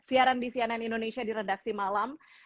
siaran di cnn indonesia di redaksi malam